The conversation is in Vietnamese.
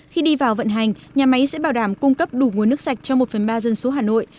khi đi vào vận hành nhà máy sẽ bảo đảm cung cấp đủ nguồn nước sạch cho một phần ba dân số hà nội